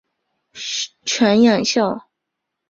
犬养孝。